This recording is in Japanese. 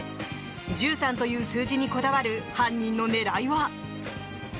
１３という数字にこだわる犯人の狙いは？